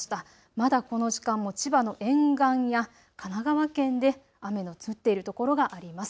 まだこの時間も千葉の沿岸や神奈川県で雨の降っている所があります。